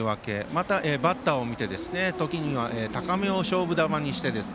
また、バッターを見て時には高めを勝負球にする。